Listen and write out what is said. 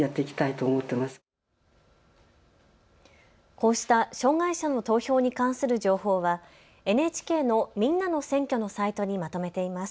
こうした障害者の投票に関する情報はＮＨＫのみんなの選挙のサイトにまとめています。